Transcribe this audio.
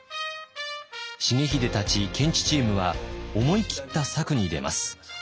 重秀たち検地チームは思い切った策に出ます。